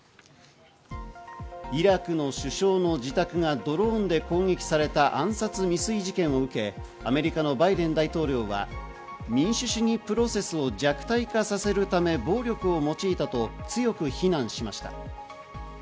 イラクの首相の自宅がドローンで攻撃された暗殺未遂事件を受け、アメリカのバイデン大統領は民主主義プロセスを弱体化させるため、暴力を用いたと強く非難しました。